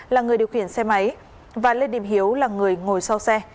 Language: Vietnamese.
là người điều khiển xe máy và lê điệp hiếu là người ngồi sau xe